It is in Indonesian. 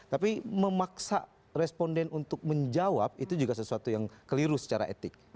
tapi memaksa responden untuk menjawab itu juga sesuatu yang keliru secara etik